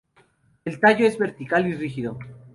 El tallo es vertical y rígido.